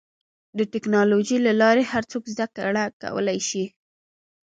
د ټکنالوجۍ له لارې هر څوک زدهکړه کولی شي.